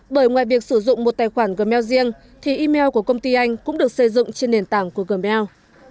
bởi ngoài việc sử dụng một tài khoản gmail riêng thì email của công ty anh cũng được xây dựng trên nền tảng của gmbel